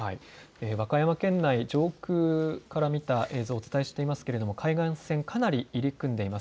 和歌山県内、上空から見た映像をお伝えしていますが海岸線かなり入り組んでいます。